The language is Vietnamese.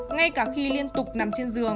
ngay cả khi liên tục nằm trên giường